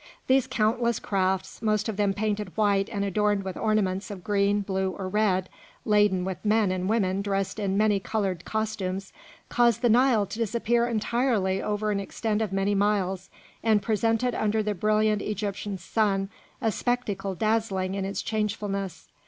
These countless crafts, most of them painted white and adorned with ornaments of green, blue, or red, laden with men and women dressed in many coloured costumes, caused the Nile to disappear entirely over an extent of many miles, and presented under the brilliant Egyptian sun a spectacle dazzling in its changefulness.